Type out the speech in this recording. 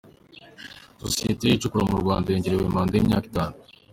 Sosiyete icukura mu Rwanda yongerewe manda y’imyaka itanu